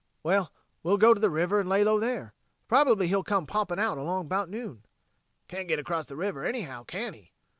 "Well, we'll go to the river an' lay low there. Probably he'll come popping out along 'bout noon." "Can't get across the river, anyhow, can he!"